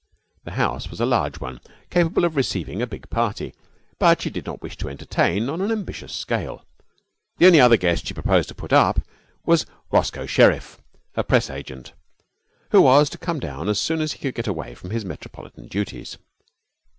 The house was a large one, capable of receiving a big party, but she did not wish to entertain on an ambitious scale. The only other guest she proposed to put up was Roscoe Sherriff, her press agent, who was to come down as soon as he could get away from his metropolitan duties.